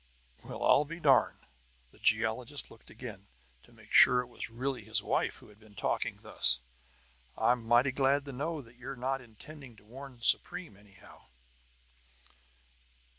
"Well, I'll be darned!" The geologist looked again, to make sure it was really his wife who had been talking thus. "I'm mighty glad to know that you're not intending to warn Supreme, anyhow!"